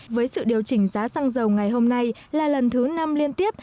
với sự điều chỉnh giá xăng dầu ngày hôm nay là lần thứ năm liên tiếp